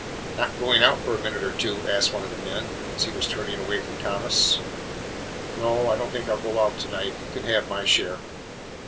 "Not going out for a minute or two?" asked one of the men, as he was turning away from Thomas. "No, I don't think I 'll go out to night. You can have my share."